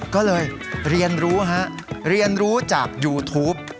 ก็เลยเรียนรู้ฮะเรียนรู้จากยูทูป